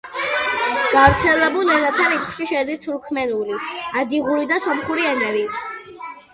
გავრცელებულ ენათა რიცხვში შედის თურქმენული, ადიღური და სომხური ენები.